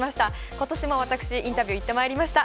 今年も私、インタビュー、行ってまいりました。